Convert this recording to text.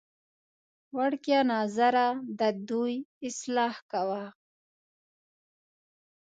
وړکیه ناظره ددوی اصلاح کوه.